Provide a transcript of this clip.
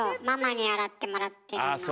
ママに洗ってもらってるの。